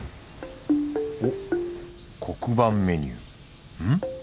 おっ黒板メニュー。